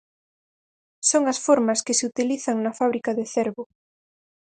Son as formas que se utilizan na fábrica de Cervo.